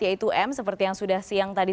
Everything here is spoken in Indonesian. yaitu m seperti yang sudah siang tadi